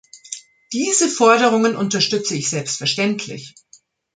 Diese Forderungen unterstütze ich selbstverständlich.